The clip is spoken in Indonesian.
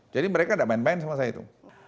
jadi mereka ada main main sama saya itu